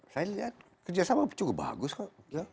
saya lihat kerjasama cukup bagus kok